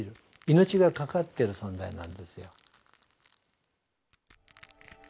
命がかかってる存在なんですよ。